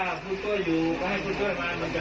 ถ้าผู้โต้อยู่ก็ให้ผู้โต้ที่ือนั้น